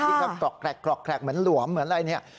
ที่เขากรอกเหมือนหลวมเหมือนอะไรเนี่ย